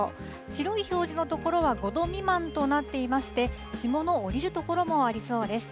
白い表示の所は５度未満となっていまして、霜の降りる所もありそうです。